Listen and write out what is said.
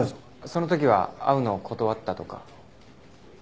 その時は会うのを断ったとか。